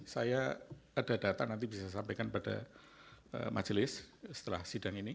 saya ada data nanti bisa sampaikan pada majelis setelah sidang ini